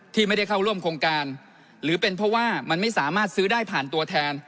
ที่ไม่ได้เข้าร่วมโครงการหรือเป็นเพราะว่ามันไม่สามารถซื้อได้ผ่านตัวแทน